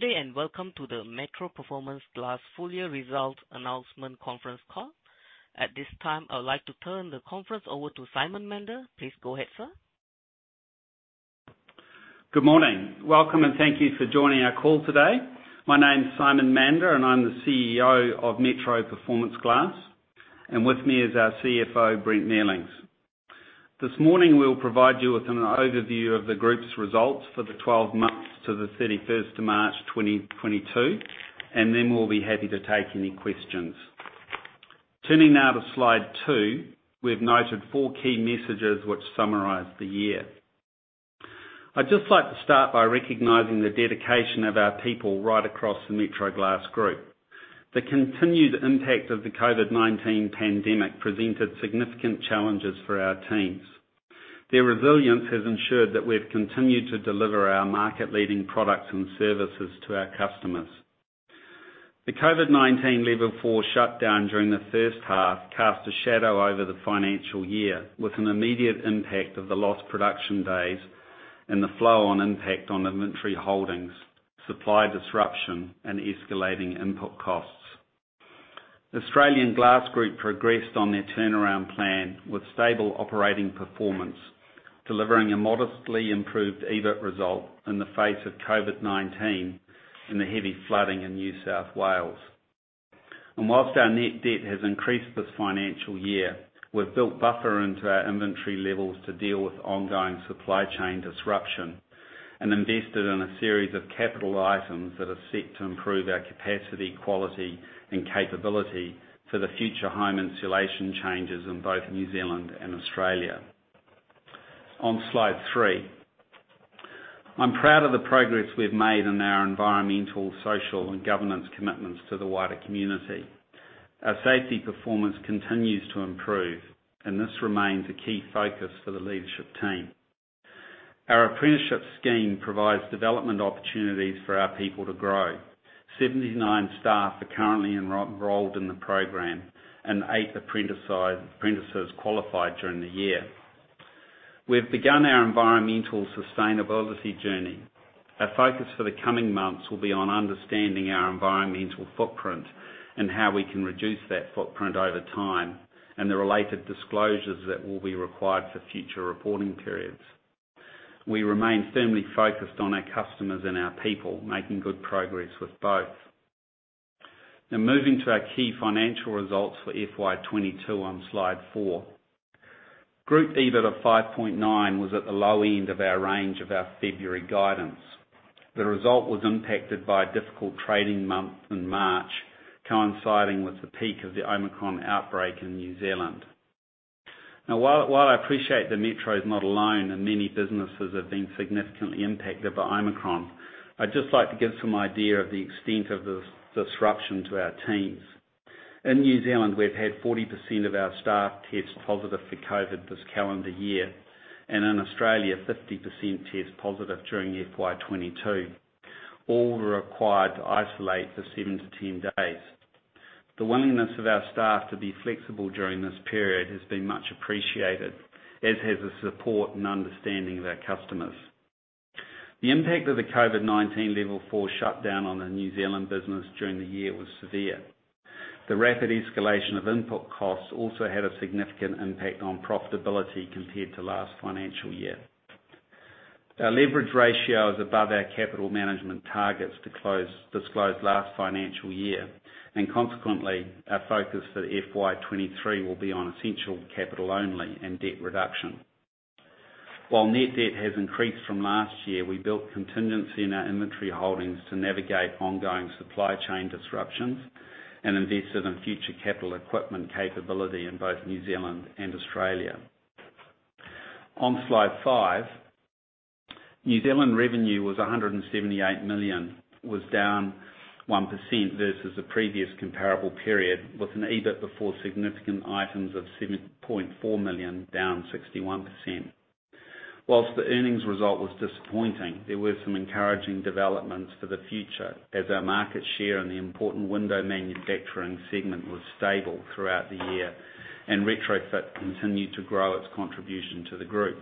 Good day, and welcome to the Metro Performance Glass full year results announcement conference call. At this time, I would like to turn the conference over to Simon Mander. Please go ahead, sir. Good morning. Welcome, and thank you for joining our call today. My name's Simon Mander, and I'm the CEO of Metro Performance Glass. With me is our CFO, Brent Mealings. This morning, we'll provide you with an overview of the group's results for the 12 months to the 31st of March 2022, and then we'll be happy to take any questions. Turning now to slide two, we've noted four key messages which summarize the year. I'd just like to start by recognizing the dedication of our people right across the Metro Glass Group. The continued impact of the COVID-19 pandemic presented significant challenges for our teams. Their resilience has ensured that we've continued to deliver our market-leading products and services to our customers. The COVID-19 Alert Level four shutdown during the first half cast a shadow over the financial year, with an immediate impact of the lost production days and the flow on impact on inventory holdings, supply disruption, and escalating input costs. Australian Glass Group progressed on their turnaround plan with stable operating performance, delivering a modestly improved EBIT result in the face of COVID-19 and the heavy flooding in New South Wales. While our net debt has increased this financial year, we've built buffer into our inventory levels to deal with ongoing supply chain disruption and invested in a series of capital items that are set to improve our capacity, quality and capability for the future home insulation changes in both New Zealand and Australia. On slide three. I'm proud of the progress we've made in our environmental, social and governance commitments to the wider community. Our safety performance continues to improve, and this remains a key focus for the leadership team. Our apprenticeship scheme provides development opportunities for our people to grow. 79 staff are currently enrolled in the program, and eight apprentices qualified during the year. We've begun our environmental sustainability journey. Our focus for the coming months will be on understanding our environmental footprint and how we can reduce that footprint over time, and the related disclosures that will be required for future reporting periods. We remain firmly focused on our customers and our people, making good progress with both. Now, moving to our key financial results for FY22 on slide four. Group EBIT of 5.9 was at the low end of our range of February guidance. The result was impacted by a difficult trading month in March, coinciding with the peak of the Omicron outbreak in New Zealand. Now, while I appreciate that Metro is not alone and many businesses have been significantly impacted by Omicron, I'd just like to give some idea of the extent of this disruption to our teams. In New Zealand, we've had 40% of our staff test positive for COVID this calendar year, and in Australia, 50% test positive during FY22. All were required to isolate for 7-10 days. The willingness of our staff to be flexible during this period has been much appreciated, as has the support and understanding of our customers. The impact of the COVID-19 Level 4 shutdown on the New Zealand business during the year was severe. The rapid escalation of input costs also had a significant impact on profitability compared to last financial year. Our leverage ratio is above our capital management targets disclosed last financial year, and consequently, our focus for FY23 will be on essential capital only and debt reduction. While net debt has increased from last year, we built contingency in our inventory holdings to navigate ongoing supply chain disruptions and invested in future capital equipment capability in both New Zealand and Australia. On slide five. New Zealand revenue was 178 million, down 1% versus the previous comparable period, with an EBIT before significant items of 7.4 million, down 61%. While the earnings result was disappointing, there were some encouraging developments for the future as our market share in the important window manufacturing segment was stable throughout the year, and retrofit continued to grow its contribution to the group.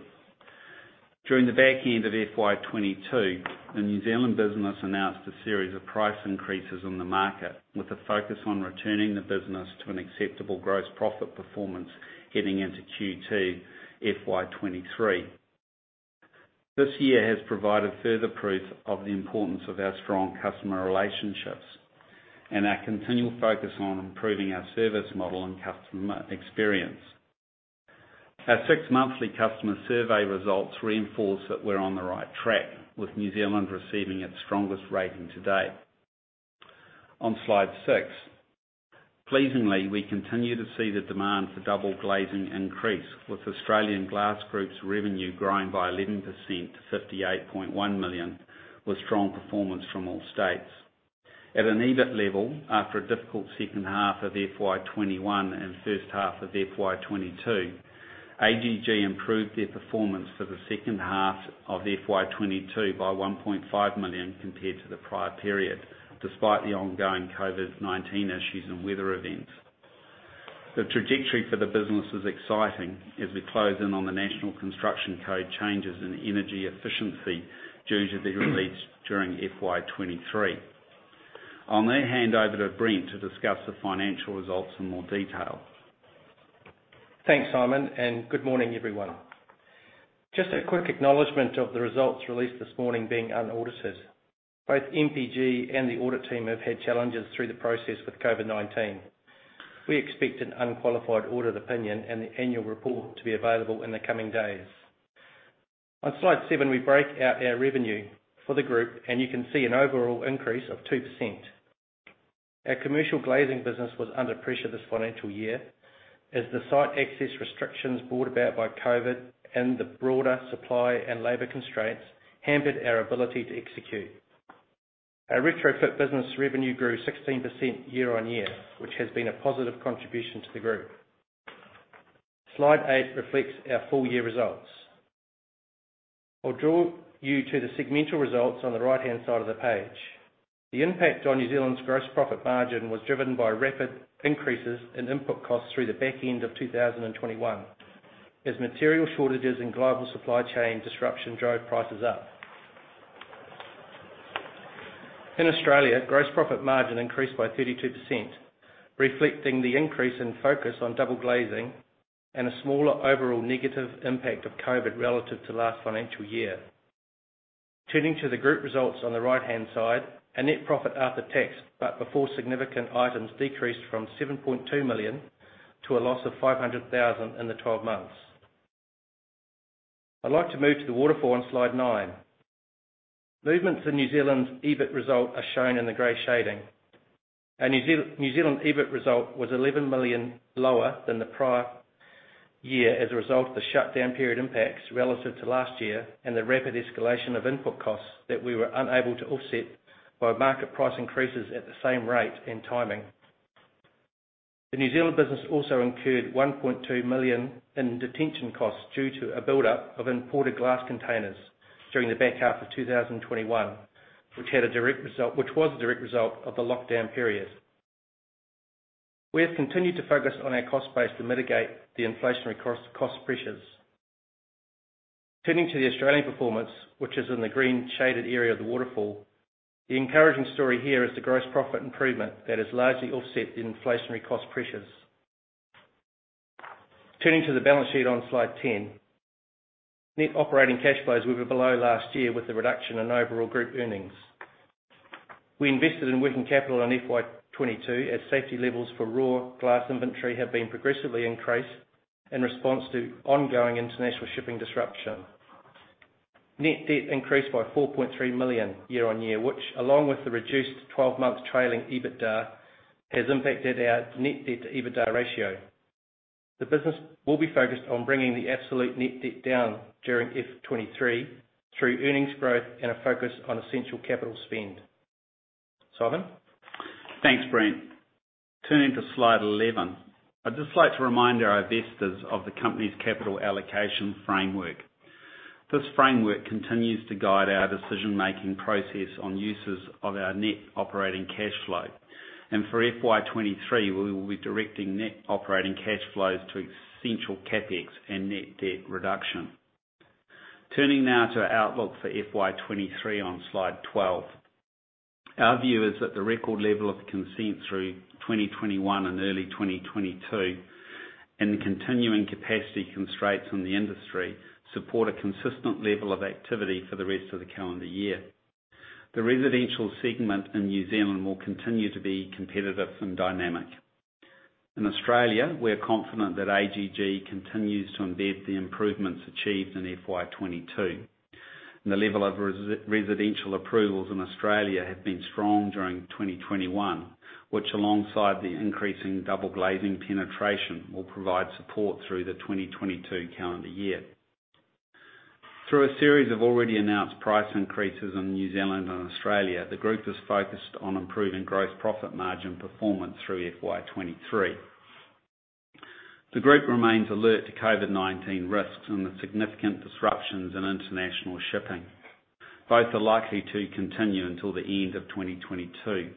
During the back end of FY22, the New Zealand business announced a series of price increases on the market, with a focus on returning the business to an acceptable gross profit performance heading into Q2 FY23. This year has provided further proof of the importance of our strong customer relationships and our continual focus on improving our service model and customer experience. Our six-monthly customer survey results reinforce that we're on the right track, with New Zealand receiving its strongest rating to date. On slide 6. Pleasingly, we continue to see the demand for double glazing increase, with Australian Glass Group's revenue growing by 11% to 58.1 million, with strong performance from all states. At an EBIT level, after a difficult second half of FY21 and first half of FY22, AGG improved their performance for the second half of FY22 by 1.5 million compared to the prior period, despite the ongoing COVID-19 issues and weather events. The trajectory for the business is exciting as we close in on the National Construction Code changes in energy efficiency due to be released during FY23. I'll now hand over to Brent to discuss the financial results in more detail. Thanks, Simon, and good morning, everyone. Just a quick acknowledgement of the results released this morning being unaudited. Both MPG and the audit team have had challenges through the process with COVID-19. We expect an unqualified audit opinion and the annual report to be available in the coming days. On slide 7, we break out our revenue for the group, and you can see an overall increase of 2%. Our commercial glazing business was under pressure this financial year as the site access restrictions brought about by COVID-19 and the broader supply and labor constraints hampered our ability to execute. Our retrofit business revenue grew 16% year-on-year, which has been a positive contribution to the group. Slide eight reflects our full year results. I'll draw you to the segmental results on the right-hand side of the page. The impact on New Zealand's gross profit margin was driven by rapid increases in input costs through the back end of 2021, as material shortages and global supply chain disruption drove prices up. In Australia, gross profit margin increased by 32%, reflecting the increase in focus on double glazing and a smaller overall negative impact of COVID relative to last financial year. Turning to the group results on the right-hand side, our net profit after tax, but before significant items decreased from 7.2 million to a loss of 500,000 in the twelve months. I'd like to move to the waterfall on slide nine. Movements in New Zealand's EBIT result are shown in the gray shading. Our New Zealand EBIT result was 11 million lower than the prior year as a result of the shutdown period impacts relative to last year and the rapid escalation of input costs that we were unable to offset by market price increases at the same rate and timing. The New Zealand business also incurred 1.2 million in detention costs due to a buildup of imported glass containers during the back half of 2021, which was a direct result of the lockdown period. We have continued to focus on our cost base to mitigate the inflationary cost pressures. Turning to the Australian performance, which is in the green shaded area of the waterfall, the encouraging story here is the gross profit improvement that has largely offset the inflationary cost pressures. Turning to the balance sheet on slide 10. Net operating cash flows were below last year with the reduction in overall group earnings. We invested in working capital in FY22 as safety levels for raw glass inventory have been progressively increased in response to ongoing international shipping disruption. Net debt increased by 4.3 million year-over-year, which along with the reduced twelve-month trailing EBITDA, has impacted our net debt to EBITDA ratio. The business will be focused on bringing the absolute net debt down during FY23 through earnings growth and a focus on essential capital spend. Simon? Thanks, Brent. Turning to slide 11. I'd just like to remind our investors of the company's capital allocation framework. This framework continues to guide our decision-making process on uses of our net operating cash flow. For FY23, we will be directing net operating cash flows to essential CapEx and net debt reduction. Turning now to our outlook for FY23 on slide 12. Our view is at the record level of consent through 2021 and early 2022, and the continuing capacity constraints on the industry support a consistent level of activity for the rest of the calendar year. The residential segment in New Zealand will continue to be competitive and dynamic. In Australia, we are confident that AGG continues to embed the improvements achieved in FY22. The level of residential approvals in Australia have been strong during 2021, which alongside the increasing double glazing penetration, will provide support through the 2022 calendar year. Through a series of already announced price increases in New Zealand and Australia, the group is focused on improving gross profit margin performance through FY23. The group remains alert to COVID-19 risks and the significant disruptions in international shipping. Both are likely to continue until the end of 2022.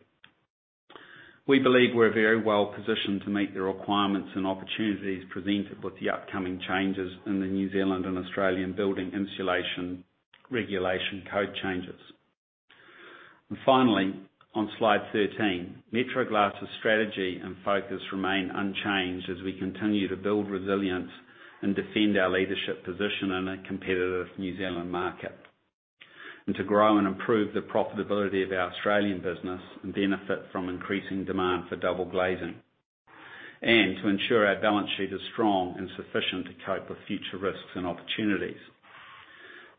We believe we're very well positioned to meet the requirements and opportunities presented with the upcoming changes in the New Zealand and Australian building insulation regulation code changes. Finally, on slide 13, Metro Glass' strategy and focus remain unchanged as we continue to build resilience and defend our leadership position in a competitive New Zealand market, and to grow and improve the profitability of our Australian business and benefit from increasing demand for double glazing, and to ensure our balance sheet is strong and sufficient to cope with future risks and opportunities.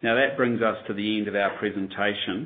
Now, that brings us to the end of our presentation.